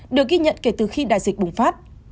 được ghi nhận kể từ khi đại dịch bùng phát